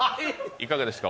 いかがですか？